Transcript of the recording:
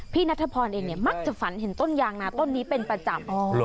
นัทพรเองเนี่ยมักจะฝันเห็นต้นยางนาต้นนี้เป็นประจำ